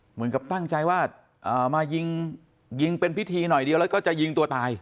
เหมือนกับตั้งใจว่ามายิงยิงเป็นพิธีหน่อยเดียวแล้วก็จะยิงตัวตาย